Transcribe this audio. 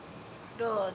どうぞ。